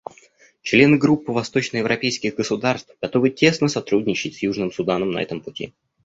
Члены Группы восточноевропейских государств готовы тесно сотрудничать с Южным Суданом на этом пути.